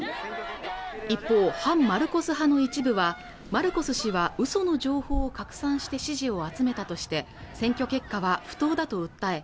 一方反マルコス派の一部はマルコス氏は嘘の情報を拡散して支持を集めたとして選挙結果は不当だと訴え